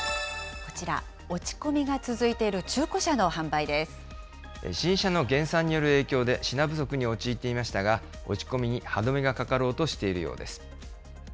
こちら、落ち込みが続いている中新車の減産による影響で、品不足に陥っていましたが、落ち込みに歯止めが掛かろうとしているようです。